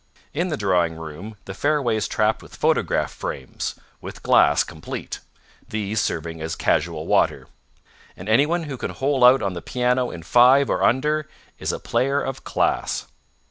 In the drawing room the fairway is trapped with photograph frames with glass, complete these serving as casual water: and anyone who can hole out on the piano in five or under is a player of class.